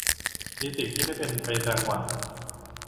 มีสิ่งที่ไม่เป็นไปดังหวัง